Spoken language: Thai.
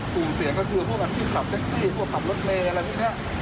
กลุ่มเสี่ยงก็คือพวกอาชีพขับแท็กซี่พวกขับรถเมย์อะไรพวกนี้